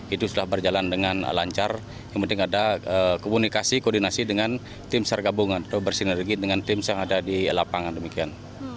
itu sudah berjalan dengan lancar yang penting ada komunikasi koordinasi dengan tim sar gabungan atau bersinergi dengan tim yang ada di lapangan demikian